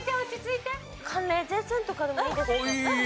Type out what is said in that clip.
寒冷前線とかでもいいですか？